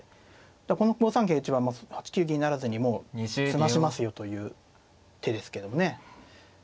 この５三桂打は８九銀不成にもう詰ましますよという手ですけどもね。